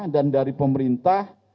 dan dari pemerintah